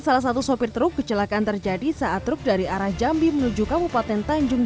salah satu sopir truk kecelakaan terjadi saat truk dari arah jambi menuju kabupaten tanjung